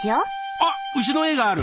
あっ牛の絵がある。